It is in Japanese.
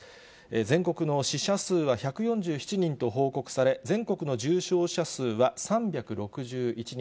全国の死者数は１４７人と報告され、全国の重症者数は３６１人。